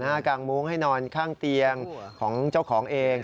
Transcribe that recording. กลางมุ้งให้นอนข้างเตียงของเจ้าของเอง